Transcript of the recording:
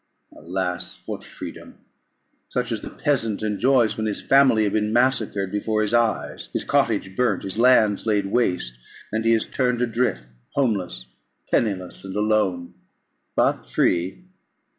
Alas! what freedom? such as the peasant enjoys when his family have been massacred before his eyes, his cottage burnt, his lands laid waste, and he is turned adrift, homeless, penniless, and alone, but free.